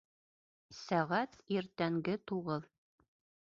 Сәғәт иртәнге туғыҙ